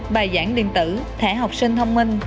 bài giảng điện tử thẻ học sinh thông minh